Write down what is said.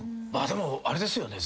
でもあれですよね。